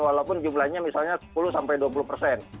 walaupun jumlahnya misalnya sepuluh sampai dua puluh persen